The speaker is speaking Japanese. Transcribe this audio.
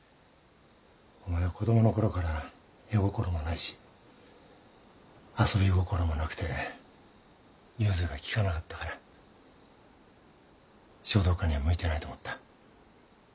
お前は子供のころから絵心もないし遊び心もなくて融通が利かなかったから書道家には向いてないと思った。